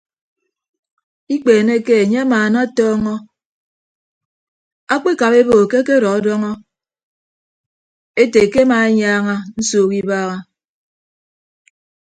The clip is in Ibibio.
Ikpeeneke enye amaanatọọñọ akpekap ebo ke akedọdọñọ ete ke ema enyaaña nsuuk ibaaha.